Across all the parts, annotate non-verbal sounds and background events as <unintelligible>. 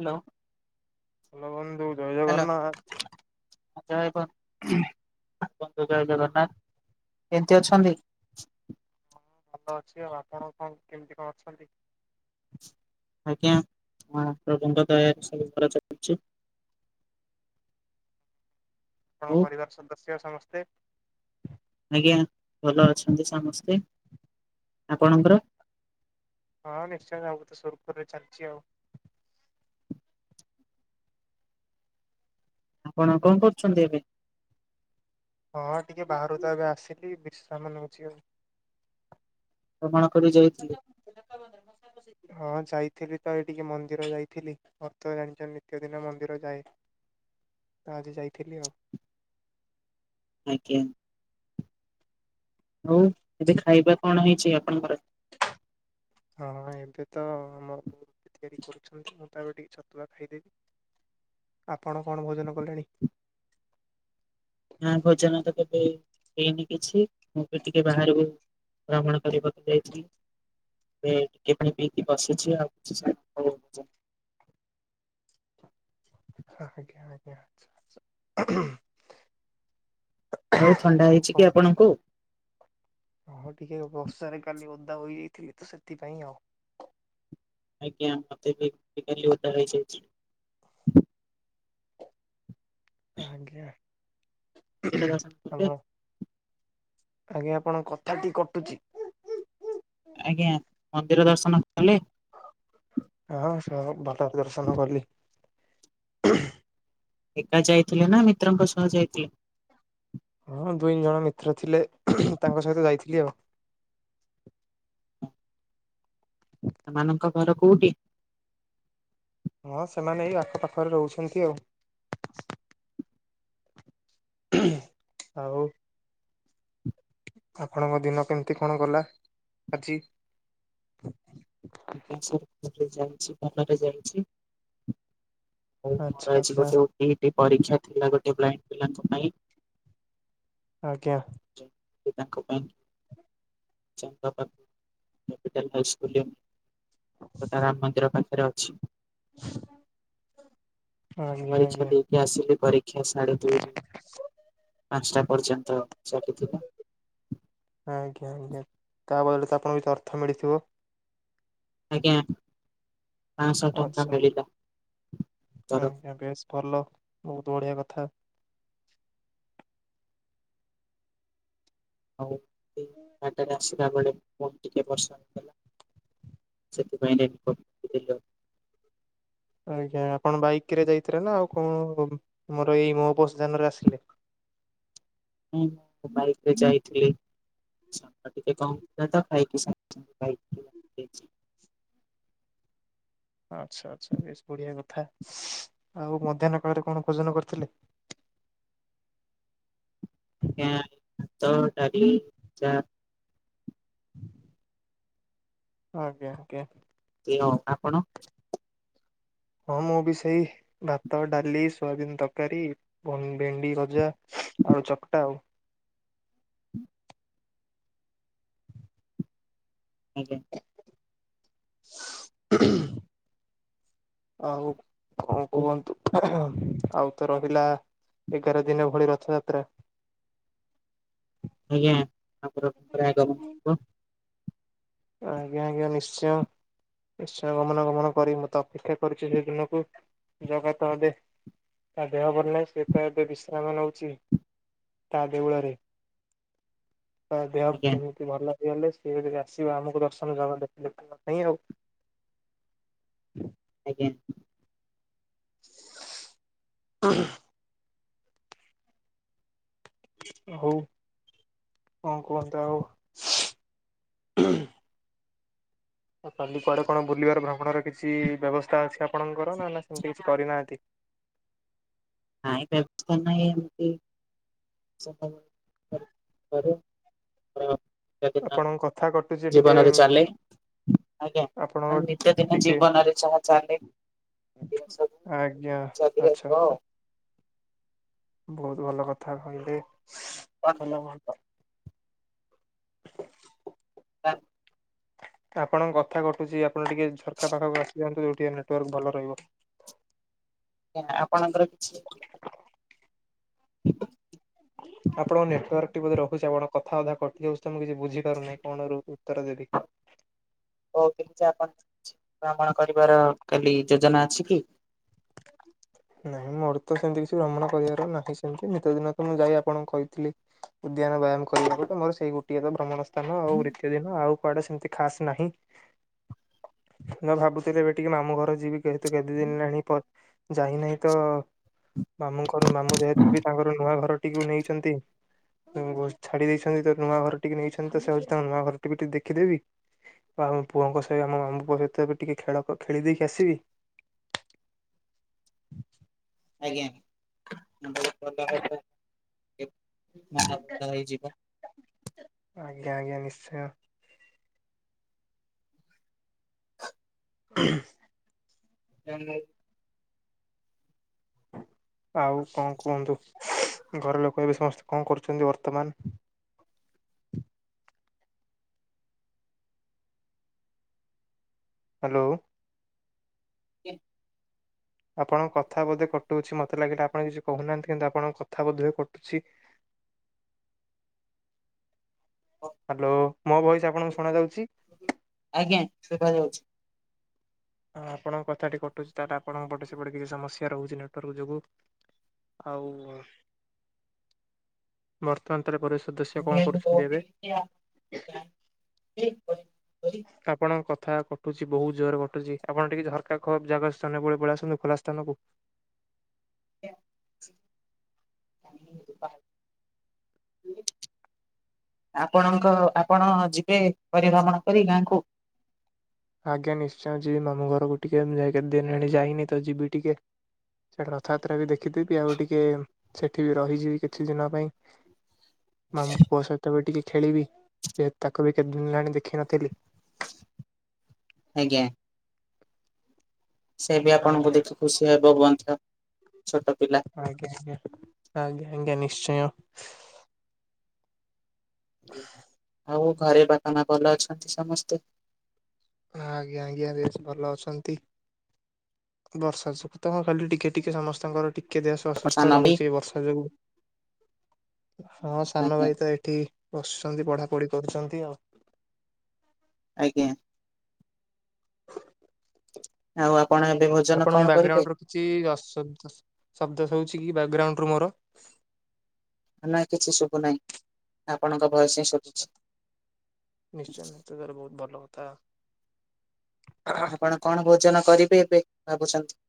Hello. ଭଲ ଭଲ ସବୁ ଜଏ ହାଲୋ‌। ଆ ଜୟ ବ ବନ୍ଧୁ ଜୟ ଜଗନ୍ନାଥ କେମତି ଅଛନ୍ତି? ଭଲ ଅଛି ଆଉ ଆପଣ କଁ କେମିତି କଁ ଅଛନ୍ତି? ଆଜ୍ଞା ମୋ ହାତ ବନ୍ଧ ତଳେ ସବୁ ଧରା ଚାଲିଚି। ତମ ହଉ ପରିବାର ସଦସ୍ୟ ସମସ୍ତେ? ଆଜ୍ଞା ଭଲ ଅଛନ୍ତି ସମସ୍ତେ। ଆପଣଙ୍କର? ହଁ ନିଶ୍ଚୟ ସବୁ ତ ସୁରୁଖୁରୁରେ ଚାଲିଚି ଆଉ। ଆପଣ କଁ କରୁଛନ୍ତି ଏବେ? ହଁ ଟିକେ ବାହାରୁ ତ ଏବେ ଆସିଲି ବିଶ୍ରାମ ନୋଉଚି ଆଉ। ଭ୍ରମଣ କରି ଯାଇଥିଲେ? ହଁ ଯାଇଥିଲି ତ ଏଇଟିକି ମନ୍ଦିର ଯାଇଥିଲି। ମୋର ତ ଜାଣିଚ ନିତ୍ୟ ଦିନ ମନ୍ଦିର ଯାଏ ତ ଆଜି ଯାଇଥିଲି ଆଉ। ଆଜ୍ଞା। ଅଉ ଏବେ ଖାଇବା କଣ ହେଇଛି ଆପଣଙ୍କର? ହଁ ଏବେ ତ ମୋ ବୋଉ ରୁଟି ତିଆରି କରୁଛନ୍ତି ମୁଁ ତ ଏବେ ଟିକେ ଛତୁଆ ଖାଇଦେବି। ଆପଣ କଣ ଭୋଜନ କଲେଣି? ନାଁ ଭୋଜନ ତ କେବେ ହେଇନି କିଛି ମୁଁ ବି ଟିକେ ବାହାରୁକୁ ଭ୍ରମଣ କରିବାକୁ ଯାଇଛି। ଯେ ଟିକେ ପାଣି ପଇକି ବସିଛି ଆଉ କିଛି ସମୟ ପରେ ଜି ଆଜ୍ଞା ଆଜ୍ଞା ଆଛା ଆଛା ଆଉ ଥଣ୍ଡା ହେଇଛି କଣ କି ଆପଣଙ୍କୁ? ହଁ ଟିକେ ବର୍ଷାରେ କାଲି ଓଦା ହୋଇଯାଇଥିଲି ତ ସେଥିପାଇଁ ଆଉ। ଆଜ୍ଞା ମତେ ବି ଟିକେ କାଲି ଓଦା ରହିଯାଇଛି। ଆଜ୍ଞା ମନ୍ଦିର ଦର୍ଶନ ଆପଣ <unintelligible> ଆଜ୍ଞା ଆପଣଙ୍କ କଥା ଟି କଟୁଚି। ଆଜ୍ଞା ମନ୍ଦିର ଦର୍ଶନ କଲେ। ହଁ ସ ଭଲ ଦର୍ଶନ କଲି। ଏକା ଯାଇଥିଲେ ନା ମିତ୍ରଙ୍କ ସହ ଯାଇଥିଲେ। ହଁ ଦୁଇ ଜଣ ମିତ୍ର ଥିଲେ ତାଙ୍କ ସହିତ ଯାଇଥିଲି ଆଉ। ସେମାନଙ୍କ ଘର କୋଉଠି? ହଁ ସେମାନେ ଏଇ ଆଖପାଖରେ ରହୁଛନ୍ତି ଆଉ। ଆଉ ଆପଣଙ୍କ ଦିନ କେମିତି କଣ ଗଲା ଆଜି? ଏମିତି ସବୁ ଚାଲିଚି ଭଲରେ ଚାଲିଚି। ଆଚ୍ଛା ମୋର ଆଜି ଆଚ୍ଛା ଗୋଟେ ଓଟିଇଟି ପରୀକ୍ଷା ଥିଲା ଗୋଟେ ବ୍ଲାଇଣ୍ଡ ପିଲାଙ୍କ ପାଇଁ ଆଜ୍ଞା ଯେ ତାଙ୍କ ପାଇଁ କି ଚା କ୍ୟାପିଟାଲ ହାଉସ ବୋଲି <inaudible> ସୀତାରାମ ମନ୍ଦିର ପାଖରେ ଅଛି ଆଜ୍ଞା ଆଜ୍ଞା। କରିଛନ୍ତି ମୁଁ ଆସିଲି ପରୀକ୍ଷା ସାଢ଼େ ଦୁଇରୁ ପାଞ୍ଚଟା ପର୍ଯ୍ୟନ୍ତ ଚାଲିଥିଲା। ଆଜ୍ଞା ଆଜ୍ଞା ତା ବଦଳରେ ତ ଆପଣଙ୍କୁ କିଛି ଅର୍ଥ ମିଳିଥିବ। ଆଜ୍ଞା ପାଞ୍ଚଶହ ଟଙ୍କା ଆଚ୍ଛା ମିଳିଲା ତରଫ ଆଜ୍ଞା ବେଶ ଭଲ ବହୁତ ବଢ଼ିଆ କଥା। ଆଉ ସେ ବାଟରେ ଆସିଲା ବେଳେ ବହୁତ୍ ଟିକେ ବର୍ଷା ହେଲା। ସେଥିପାଇଁ ଡେରି କରୁଥିଲ ଆଜ୍ଞା ଆପଣ ବାଇକ ରେ ଯାଇଥିଲେ ନା ଆଉ କଉ ମୋର ଏଇ ମୋ ବସ୍ ଯାନ ରେ ଆସିଲେ? ହୁଁଁ ବାଇକ ରେ ଯାଇଥିଲି। ଟେ କ ଖାଇକି <inaudible> ଆଚ୍ଛା ଆଚ୍ଛା ବେଶ ବଢିଆ କଥା ଆଉ ମଧ୍ୟାହ୍ନ କାଳରେ କଣ ଭୋଜନ କରିଥିଲେ? ଆଜ୍ଞା ଭାତ ଡାଲି ଚା <inaudible> ଆଜ୍ଞା ଆଜ୍ଞା <unintelligible> ଆପଣ ହଁ ମୁଁ ବି ସେଇ ଭାତ ଡାଲି ସୋୟାବିିନ ତରକାରୀ ପ ଭେଣ୍ଡି ଭଜା ଆଳୁ ଚକଟା ଆଉ <inaudible> ଆଜ୍ଞା ଆଉ କଣ ହଉ କୁହନ୍ତୁ ଆଉ ତ ରହିଲା ଏଗାର ଦିନ ଭଳି ରଥଯାତ୍ରା ଆଜ୍ଞା ଠାକୁରଙ୍କର ଆଗମନ ହବ ଆଜ୍ଞା ଆଜ୍ଞା ନିଶ୍ଚୟ ନିଶ୍ଚୟ ଗମନା ଗମନ କରି ମତେ ଅପେକ୍ଷା କରିଛି ସେଦିନକୁ ଜଗାତ ଏବେ ତା ଦେହ ଭଲ ନାହିଁ ସେ ତ ଏବେ ବିଶ୍ରାମ ନେଉଚି ତା ଦେଉଳରେ ତା ଦେହ ଆଜ୍ଞା କେମିତି ଭଲ ହେଇଗଲେ ସେଏ ଆ ଆମକୁ ଦର୍ଶନ ଜଗ ଦେ ଦେଖିବା ପାଇଁ ଆଉ ଆଜ୍ଞା <inaudible> ହଉ କଣ କୁହନ୍ତୁ ଆଉ ଆଉ କାଲି କୁଆଡ଼େ କଣ ବୁଲିବାର ଭ୍ରମଣର କିଛି ବ୍ୟବସ୍ଥା ଅଛି ଆପଣଙ୍କର ନା ନା ସେମିତି କିଛି କରିନାହାନ୍ତି? ନାଇଁ ବ୍ୟସ୍ତ ନାଇଁ ଏମିତି। <inaudible> ଦୈନଦିନ ଆପଣଙ୍କ କଥା କଟୁଛି ଟିକେ ଜୀବନରେ ଚାଲେ। ଆଜ୍ଞା ନିିତ୍ୟ ଆପଣଙ୍କ ଦିନ ଟିକେ ଜୀବନରେ ଯାହା ଚାଲେ ସବୁ ଆଜ୍ଞା ଚାରି ଆ ଆଚ୍ଛା ଆଉ ଆଚ୍ଛା <inaudible> ବହୁତ ଭଲ କଥା କହିଲେ ଭଲ ଆଉ ଭଲ। <inaudible> ସାର୍ ଆପଣଙ୍କ କଥା କଟୁଛି ଆପଣ ଟିକେ ଝରକା ପାଖକୁ ଆସିଯାଆନ୍ତୁ ଯୋଉଠିକି ନେଟୱାର୍କ ଭଲ ରହିବ। ଆଜ୍ଞା ଆପଣଙ୍କର କିଛି <inaudible> ଆପଣଙ୍କ ନେଟୱାର୍କଟି ବୋଧେ ରହୁଛି ଆପଣ କଥା ଅଧା କଟି ଯାଉଛି ତ ମୁଁ କିଛି ବୁଝିପାରୁନହିଁ କଣ ର ଉତ୍ତର ଦେବି? ହଉ ଆପଣ ଭ୍ରମଣ କରିବାର ଖାଲି ଯୋଜନା ଅଛି କି? ନାଇଁ ମୋର ତ ସେମିତି କିଛି ଭ୍ରମଣ କରିବାର ନାହିଁ ସେମତି ନିିତ ଦିନ ତ ମୁଁ ଯାଇ ଆପଣଙ୍କୁ କହିଥିଲି। ଉଦ୍ୟାନ ବ୍ୟାୟାମ କରିବାକୁ ତମର ସେଇ ଗୋଟିଏ ତ ଭ୍ରମଣ ସ୍ଥାନ ଆଉ ନିତ୍ୟା ଦିନ ଆଉ। କୁଆଡେ ସେମତି ଖାସ ନାହିଁ ଭାବୁଥିଲେ ଏ ଟିକେ ମାମୁଁ ଘର ଯିବି। ଯେହେତୁ କେତେ ଦିନ ହେଲାଣି ଯାଇନାହିଁ ତ ମାମୁଁଙ୍କର ମାମୁଁ ଯେହେତୁ ବି ତାଙ୍କର ନୂଆ ଘରଟିକୁ ନେଇଛନ୍ତି। ଛାଡ଼ି ଦେଇଛନ୍ତି ତ ନୂଆ ଘର ଟିକେ ନେଇଛନ୍ତି ତ ସେ ହେଉଛି ତାଙ୍କ ନୂଆ ଘର ଟିକେ ଦେଖିଦେବି। ଆଉ ଆମ ପୁଅଙ୍କ ସହିତ ଆମ ମାମୁ ପୁଅ ସହିତ ବି ଟିକେ ଖେଳ ଖେଳିଦେଇକି ଆସିବି। <inaudible> ଆଜ୍ଞା <unintelligible> ହେଇଯିବ। ଆଜ୍ଞା ଆଜ୍ଞା ନିଶ୍ଚୟ। <inaudible> ହୁଁ ଜାଣିନେଇ। ଆଉ କଣ କୁହନ୍ତୁ ଘର ଲୋକ ଏବେ ସମସ୍ତେ କଣ କରୁଛନ୍ତି ବର୍ତ୍ତମାନ? ହାଲୋ। <inaudible> ଆପଣ କଥା ବୋଧେ କଟୁଛି ମତେ ଲାଗିଲା ଆପଣ କିଛି କହୁନାହାନ୍ତି କିନ୍ତୁ ଆପଣଙ୍କ କଥା ବୋଧୁଏ କଟୁଛି। ହାଲୋ ମୋ ଭଏସ ଆପଣଙ୍କୁ ଶୁଣାଯାଉଛି? ଆଜ୍ଞା ଶୁଭା ଯାଉଛି। ଆପଣଙ୍କ କଥାଟି କଟୁଛି ତାହେଲେ ଆପଣଙ୍କ ପଟେ ସେପଟେ କିଛି ସମସ୍ୟା ରହୁଛି ନେଟୱାର୍କ ଯୋଗୁଁ। ଆଉ ବର୍ତ୍ତମାନ ତର ପରିବ ସଦସ୍ୟ କଣ କରୁଛନ୍ତି ଏବେ? <unintelligible> ଆପଣଙ୍କ କଥା କଟୁଛି ବହୁତ ଜୋରରେ କଟୁଛି ଆପଣ ଟିକେ ଝରକା କର ଜାଗା ସ୍ଥାନ ପଳେଇ ଆସନ୍ତୁ ଖୋଲା ସ୍ଥାନକୁ। ଆଜ୍ଞା। <inaudible> ଆପଣଙ୍କ ଆପଣ ଯିବେ ପରିଭ୍ରମଣ କରି ଗାଁକୁ। ଆଜ୍ଞା ନିଶ୍ଚୟ ଯିବି ମାମୁଁ ଘରକୁ ଟିକେ ଯାଇନି କେତେ ଦିନ ହେଲା ଯାଇନି ଯିବି ଟିକେ। ସେଇଟା ରଥଯାତ୍ରା ବି ଦେଖିଦେବି ଆଉ ଟିକେ ସେଠି ବି ରହିଯିବି କିଛି ଦିନ ପାଇଁ। ମାମୁ ପୁଅ ସହିତ ବି ଟିକେ ଖେଳିବି ଯେ ତାକୁ ବି କେତେଦିନ ହେଲାଣି ଦେଖିନଥିଲି। ଆଜ୍ଞା। ସେ ବି ଆପଣଙ୍କୁ ଆଜ୍ଞା ଦେଖି ଖୁସି ହେବ ମଧ୍ୟ୍ୟ ଛୋଟ ପିଲା। ଆଜ୍ଞା ଆଜ୍ଞା ଆଜ୍ଞା ଆଜ୍ଞା ନିଶ୍ଚୟ। ହୁଁ ଆଉ ଘରେ ବାପା ମାଆ ଭଲ ଅଛନ୍ତି ସମସ୍ତେ? ଆଜ୍ଞା ଆଜ୍ଞା ବେଶ୍ ଭଲ ଅଛନ୍ତି। ବର୍ଷା ଯୋଗୁ ତ ଖାଲି ଟିକେ ଟିକେ ସମସ୍ତଙ୍କର ଟିକେ ଦେହ ଅସୁସ୍ଥ ସାନ ବି ରହୁଛି ଏ ବର୍ଷା ଯୋଗୁ। ହଁ ସାନ ଆଜ୍ଞା ଭାଇ ତ ଏଠି ବସଛନ୍ତି ପଢା ପଢି କରୁଛନ୍ତି ଆଉ। ଆଜ୍ଞା। ଆଉ ଆପଣ ଏବେ ବହୁ ଆପଣଙ୍କୁ ମୋ ବ୍ୟାଗଗ୍ରାଉଣ୍ଡ ରୁ କିଛି ଅ ଶବ୍ଦ ଶବ୍ଦ ଶ ହଉଛି କି ବ୍ୟାଗଗ୍ରାଉଣ୍ଡ ରୁ ମୋର? ନା କିଛି ଶୁଭୁ ନାହିଁ ଆପଣଙ୍କ ଭଏସ ହିଁ ଶୁଭୁଛି। ଶୁ ତାହେଲେ ବହୁତ ଭଲ ହଥା। ଆପଣ କଣ ଭୋଜନ କରିବେ ଏବେ ଭାବୁଛନ୍ତି?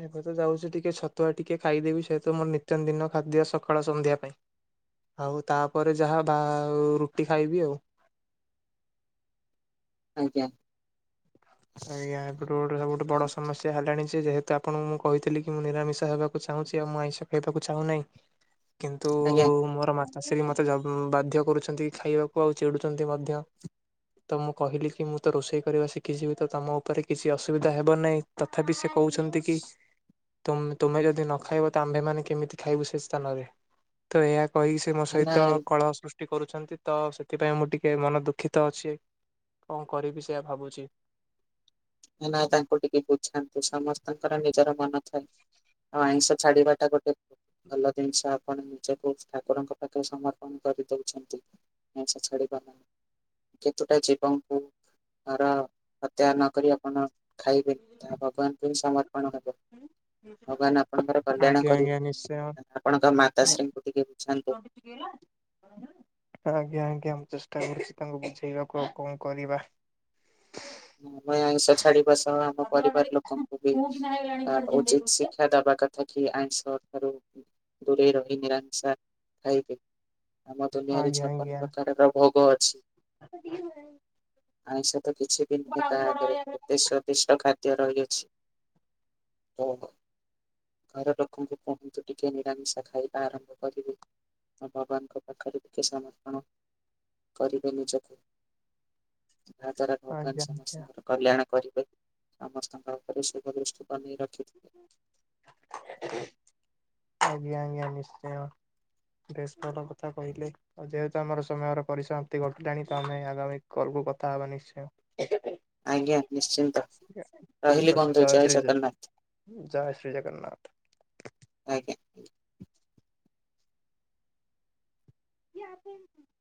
ଏବେ ତ ଯାଉଛି ଟିକେ ଛତୁଆ ଟିକେ ଖାଇଦେବି ସେଇ ତ ମୋ ନିତ୍ୟ ଦିନ ଖାଦ୍ୟ ସକାଳ ସନ୍ଧ୍ୟା ପାଇଁ। ଆଉ ତାପରେ ଯାହା ବା ରୁଟି ଖାଇବି ଆଉ। ଆଜ୍ଞା। ଆଜ୍ଞା ଏବୁଟୁ ଗୋଟେ ସବୁଠୁ ବଡ ସମସ୍ ୟା ହେଲାଣି ଯେ ଯେହେତୁ ଆପଣଙ୍କୁ ମୁଁ କହିଥିଲି କି ମୁଁ ନିରାମିଷା ହେବାକୁ ଚାହୁଁଛି ଆଉ ମୁଁ ଆଇଁଷ ଖାଇବାକୁ ଚାହୁଁ ନାହିଁ। <inaudible> କିନ୍ତୁ ଆଜ୍ଞା। ମୋର ମାତାଶ୍ରୀ ମତେ ଜ ଉଁ ବାଧ୍ୟ କରୁଛନ୍ତି ଖାଇବାକୁ ଆଉ ଚିଡୁଛନ୍ତି ମଧ୍ୟ। ତ ମୁଁ କହିଲି କି ମୁଁ ତ ରୋଷେଇ କରିବା ଶିଖିଯିବି। ତ ତମ ଉପରେ କିଛି ଅସୁବିଧା ହେବ ନାଇଁ ତଥାପି ସେ କହୁଛନ୍ତି କି ତୁମ-ତୁମେ ଯଦି ନ ଖାଇବ ତ ଆମ୍ଭେମାନେ କେମିତି ଖାଇବୁ ସେ ସ୍ଥାନରେ ତ ଏଇଆ କହି ସେ ମୋ ନା ସହିତ କଳହ ସୃଷ୍ ଟି କରୁଛନ୍ତି ତ ସେଥିପାଇଁ ମୁଁ ଟିକେ ମନ ଦୁଃଖିତ ଅଛି କଣ କରିବି ସେଇଆ ଭାବୁଛି। ହେ ନା ତାଙ୍କୁ ଟିକେ ବୁଝାନ୍ତୁ ସମସ୍ତଙ୍କର ନିଜର ମନ ଥାଏ। ଆଉ ଆଇଁଷ ଛାଡିବାଟା ଗୋଟେ ଭଲ ଜିନିଷ ଆପଣ ନିଜକୁ ଠାକୁରଙ୍କ ପାଖରେ ସମର୍ପଣ କରିଦଉଛନ୍ତି। ଆଇଁଷ ଛାଡ଼ିବା ପାଇଁ। କେତୁଟା ଜୀବଙ୍କୁ ନର ହତ୍ୟା ନ କରିବା ଆପଣ ଖାଇବେ ତାହା ଭଗବାନଙ୍କୁ ହିଁ ସମର୍ପଣ ହେବ। ଭଗବାନ ଆପଣଙ୍କର କଲ୍ୟାଣ ଆଜ୍ଞା କରି ଆଜ୍ଞା ନିଶ୍ଚୟ। ଆପଣଙ୍କ ମାତାଶ୍ରୀଙ୍କୁ ଟିକେ ବୁଝାନ୍ତୁ। ଗିଲା ଆଜ୍ଞା ଆଜ୍ଞା ମୁଁ ଚେଷ୍ଟା କରୁଛି ତାଙ୍କୁ ବୁଝେଇବାକୁ ଆଉ କଣ କରିବା। ମୁଁ ଏ ଆଇଁଷ ଛାଡିବା ସହ ମୋ ଆପଣ ଖାଲି ପରିବାର ଲୋକଙ୍କୁ ବି ଫୁ କିନା ହେଇଗଲାଣି ଆ ମେଡିସିନ ଦେଇ ଉଚିତ ଦଉଥିଲେ। ଶିକ୍ଷା ଦବା କ ଥା କି ଆଇଁଷ ଠାରୁ ଦୂରେଇ ରହି ନିରାମିଷା ଖାଇବେ। ଆମ ଦୁନିଆରେ ଆଜ୍ଞା ଛପନ ଆଜ୍ଞା। ପ୍ରକାରର ଭୋଗ ଅଛି। <unintelligible> ଆଇଁଷ ତ କିଛି ବି ନୁହେଁ ତା ଆଜ୍ଞା ଆଗେରେ କେତେ ସ୍ୱାଦିଷ୍ଟ ଖାଦ୍ୟ ରହିଅଛି। ହଉ ରଖ। ଘର ଲୋକଙ୍କୁ କୁହନ୍ତୁ ଟିକେ ନିରାମିଷା ଖାଇବା ଆରମ୍ଭ କରିବେ। ଆଉ ଭଗବାନଙ୍କ ପାଖେରେ ଟିକେ ସମର୍ପଣ କରିବେ ନିଜକୁ। ଯାହା ଦ୍ବାରା ଭଗବାନ ଆଜ୍ଞା ଆଜ୍ଞା ସମସ୍ତଙ୍କର କଲ୍ୟାଣ କରିବେ। ସମସ୍ତଙ୍କ ଉପରେ ଶୁଭ ଦୃଷ୍ଟି ବନେଇ ରଖିଥିବେ। ଆଜ୍ଞା ଆଜ୍ଞା ନିଶ୍ଚୟ। ବେଶ୍ ଭଲ କଥା କହିଲେ। ଆଉ ଯେହେତୁ ଆମର ସମୟର ପରିସମାପ୍ତି ଘଟିଲାଣି ତ ଆମେ ଆଗାମୀ କଲ କୁ କଥା ହବା ନିଶ୍ଚୟ। ଆଜ୍ଞା ନିଶ୍ଚିନ୍ତ୍। ଠିକ୍ ଅଛି ଜୟ ଶ୍ରୀ ଜଗନ୍ନାଥ। ଜ-ଜୟ ଶ୍ରୀ ଜଗନ୍ନାଥ। ଆଜ୍ଞା। <unintelligible>